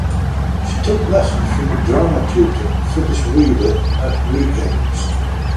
She took lessons from a drama tutor, Phyllis Reader, at weekends.